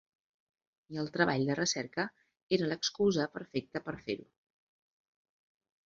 I el Treball de Recerca era l'excusa perfecta per fer-ho.